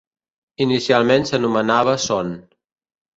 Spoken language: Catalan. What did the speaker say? Inicialment s'anomenava Son.